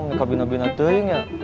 mereka bina bina deing ya